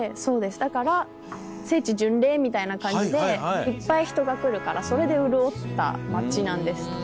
だから聖地巡礼みたいな感じでいっぱい人が来るからそれで潤った街なんですって。